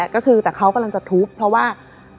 ก็คือแต่เขากำลังจะทุบเพราะว่า